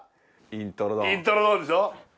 イントロドンでしょ？